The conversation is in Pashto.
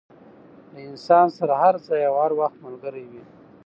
له انسان سره هر ځای او هر وخت ملګری وي.